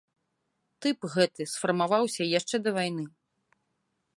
Тып гэты сфармаваўся яшчэ да вайны.